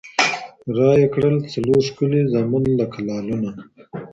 رایې کړل څلور ښکلي زامن لکه لعلونه